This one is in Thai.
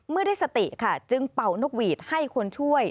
เมื่อได้สติค่ะจึงเป่านกหวีดให้คนช่วย